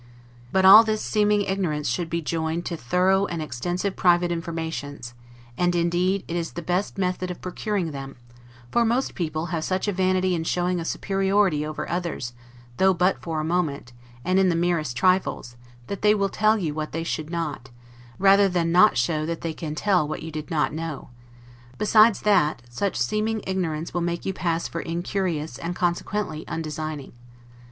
But all this seeming ignorance should be joined to thorough and extensive private informations: and, indeed, it is the best method of procuring them; for most people have such a vanity in showing a superiority over others, though but for a moment, and in the merest trifles, that they will tell you what they should not, rather than not show that they can tell what you did not know; besides that such seeming ignorance will make you pass for incurious and consequently undesigning.